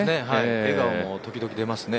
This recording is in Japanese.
笑顔も時々出ますね。